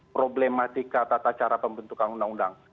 problematika tata cara pembentukan undang undang